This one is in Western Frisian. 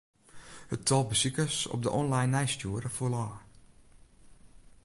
It tal besikers op de online nijsstjoerder foel ôf.